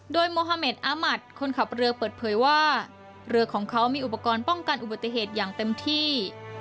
โดยโมฮาเมดอามัติคนขับเรือเปิดเผยว่าเรือของเขามีอุปกรณ์ป้องกันอุบัติเหตุอย่างเต็มที่